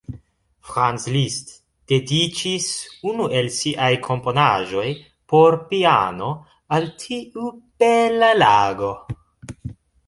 Franz Liszt dediĉis unu el siaj komponaĵoj por piano al tiu bela lago.